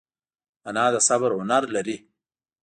انا د صبر هنر لري